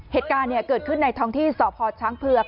เหตุการณ์เกิดขึ้นในท้องที่สพช้างเผือก